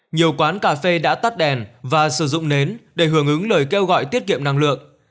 nhiều quán cà phê đã tắt đèn và sử dụng nến để hưởng ứng lời kêu gọi tiết kiệm năng lượng